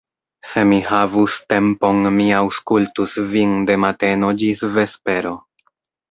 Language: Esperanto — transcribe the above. Se mi havus tempon, mi aŭskultus vin de mateno ĝis vespero.